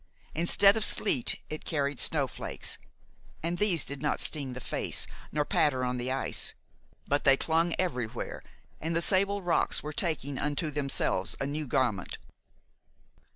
Instead of sleet it carried snowflakes, and these did not sting the face nor patter on the ice. But they clung everywhere, and the sable rocks were taking unto themselves a new garment.